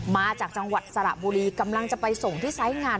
มาจากจังหวัดสระบุรีกำลังจะไปส่งที่ไซส์งาน